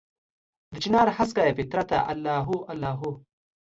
دچنارهسکه فطرته الله هو، الله هو